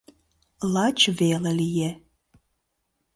Лач веле лие.